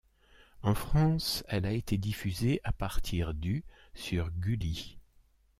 En France, elle a été diffusée à partir du sur Gulli.